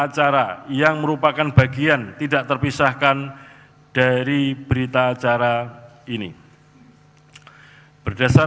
mb yesus dania makri twee